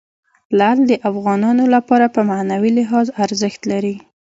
لعل د افغانانو لپاره په معنوي لحاظ ارزښت لري.